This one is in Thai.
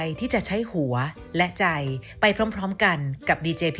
สวัสดีค่ะ